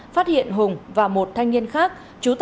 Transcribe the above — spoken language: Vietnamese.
phát hiện hùng và một thanh niên khác trú tại tp vũng tàu